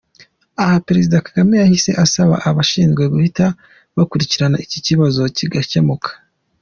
Aha Prezida Kagame yahise asaba ababishinzwe guhita bakurikirana iki kibazo kigakemuka.